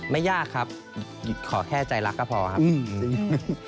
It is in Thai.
ไม่ยากครับขอแค่ใจรักก็พอครับ